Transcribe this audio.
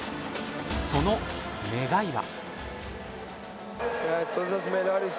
その願いは。